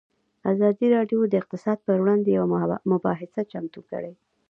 ازادي راډیو د اقتصاد پر وړاندې یوه مباحثه چمتو کړې.